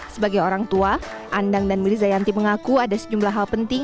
sebagai orang tua andang dan mirizayanti mengaku ada sejumlah hal penting